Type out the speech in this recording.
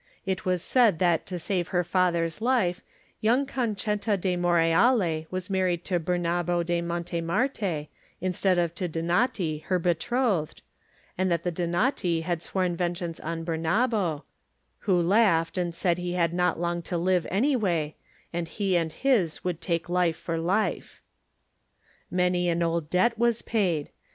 It was said that to save her father's life young Concetta da Moreale was married to Bemabo de Monte marte instead of to Donati, her betrothed, and that the Donati had sworn vengeance on Bemabo, who laughed and said he had not long to live, anyway, and he and his would take life for life. Many an old debt was paid.